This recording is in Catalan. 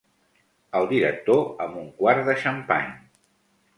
El director amb un quart de xampany.